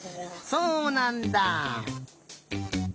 そうなんだ！